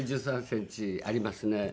１３センチありますね。